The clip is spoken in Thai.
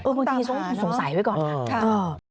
ตามหาเนอะคุณสงสัยไว้ก่อนค่ะเออตามหาเนอะ